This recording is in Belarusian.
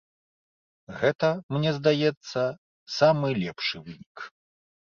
Гэта, мне здаецца, самы лепшы вынік.